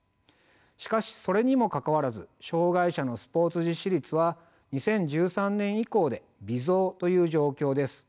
しかしそれにもかかわらず障害者のスポーツ実施率は２０１３年以降で微増という状況です。